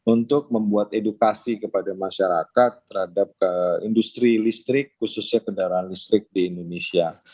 untuk membuat edukasi kepada masyarakat terhadap industri listrik khususnya kendaraan listrik di indonesia